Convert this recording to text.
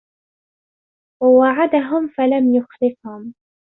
وَوَعَدَهُمْ فَلَمْ يُخْلِفْهُمْ